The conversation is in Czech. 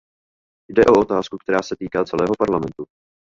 Jde o otázku, která se týká celého Parlamentu.